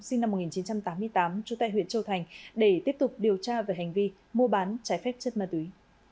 sinh năm một nghìn chín trăm tám mươi tám trú tại huyện châu thành để tiếp tục điều tra về hành vi mua bán trái phép chất ma túy